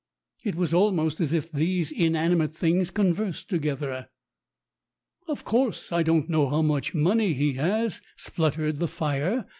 It was almost as if these inanimate things conversed together. "Of course, I don't know how much money he has," spluttered the fire.